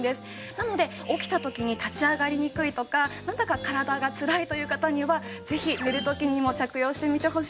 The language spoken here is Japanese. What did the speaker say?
なので起きた時に立ち上がりにくいとかなんだか体がつらいという方にはぜひ寝る時にも着用してみてほしいです。